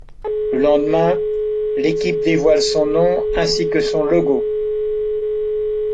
Le lendemain, l'équipe dévoile son nom ainsi que son logo.